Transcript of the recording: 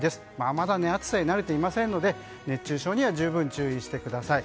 まだ暑さに慣れていないので熱中症には十分注意してください。